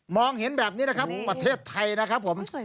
เห็นแบบนี้นะครับประเทศไทยนะครับผม